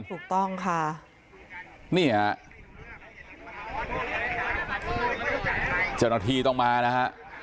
ถูกต้องค่ะนี่ฮะเจ้าหน้าที่ต้องมานะฮะ